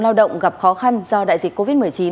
lao động gặp khó khăn do đại dịch covid một mươi chín